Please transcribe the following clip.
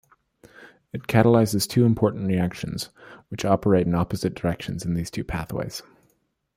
It catalyzes two important reactions, which operate in opposite directions in these two pathways.